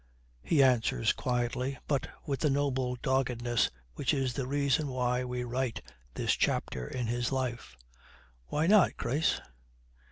He answers quietly, but with the noble doggedness which is the reason why we write this chapter in his life. 'Why not, Grace?'